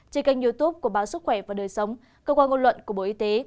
trên kênh youtube của báo sức khỏe và đời sống cơ quan ngôn luận của bộ y tế